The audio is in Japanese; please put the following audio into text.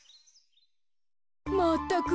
まったく。